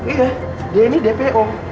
iya dia ini dpo